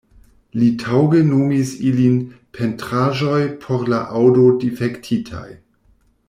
Li taŭge nomis ilin "Pentraĵoj por la Aŭdo-Difektitaj.